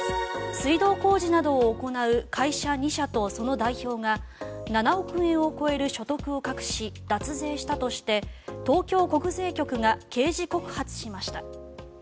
水道工事などを行う会社２社とその代表が７億円を超える所得を隠し脱税したとして東京国税局が刑事告発しました。